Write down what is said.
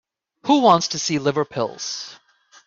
Who wants to see liver pills?